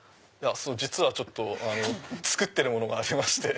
実は作ってるものがありまして。